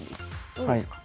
どうですか？